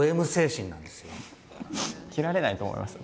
切られないと思いますよ